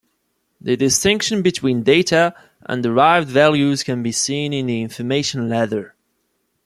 The distinction between data and derived values can be seen in the information ladder.